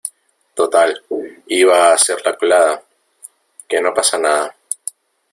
total, iba a hacer la colada. que no pasa nada .